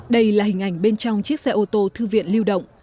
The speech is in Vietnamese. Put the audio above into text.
đây là hình ảnh bên trong chiếc xe ô tô thư viện lưu động